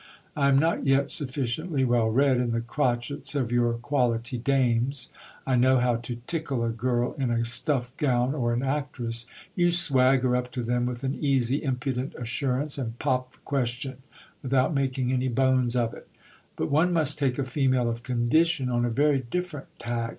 I am not yet sufficiently :11 read in the crotchets of your quality dames. I know how to tickle a girl ■X stuff gown, or an actress : You swagger up to them with an easy, impudent assarance, and pop the question without making any bones of it But one must take a female of condition on a very different tack.